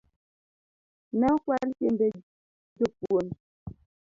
Ne okwal chiembe jopuonj